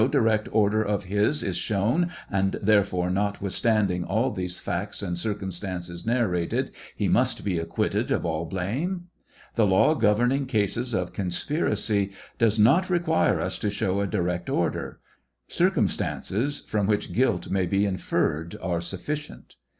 direct order of his is shown, and therefore, notwithstanding all these facts and circumstances narrated, he must be acquitted of all blame ? The law governing cases of conspiracy does not require us to show a direct order ; circumstances ; from which guilt may be inferred are sufficient.